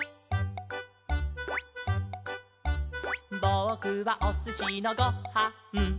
「ぼくはおすしのご・は・ん」